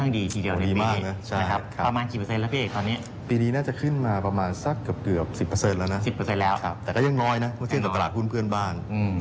นะเท่ากับตลาดหุ้นเพื่อนบ้าง